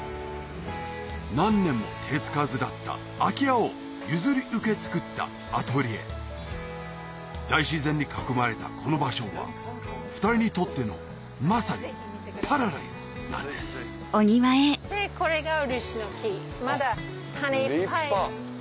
何年も手付かずだった空き家を譲り受け造ったアトリエ大自然に囲まれたこの場所は２人にとってのまさにパラダイスなんです立派！